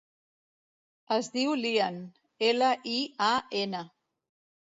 Es diu Lian: ela, i, a, ena.